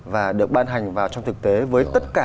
và được ban hành vào trong thực tế với tất cả